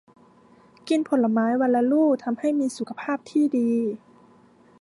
กินผลไม้วันละลูกทำให้มีสุขภาพที่ดี